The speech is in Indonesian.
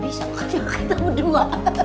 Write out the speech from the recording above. bisa kok kita berdua